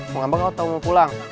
mau ngambek atau mau pulang